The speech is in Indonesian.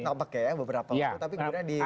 seperti itu kita pakai ya beberapa